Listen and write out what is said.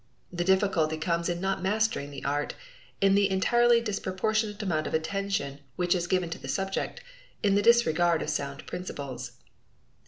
The difficulty comes in not mastering the art, in the entirely disproportionate amount of attention which is given to the subject, in the disregard of sound principles.